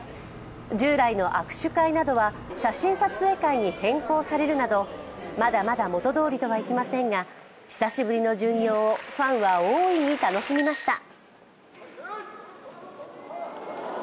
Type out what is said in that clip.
従来の握手会などは写真撮影会に変更されるなどまだまだ元どおりとはいきませんが久しぶりの巡業をファンは大いに楽しみました。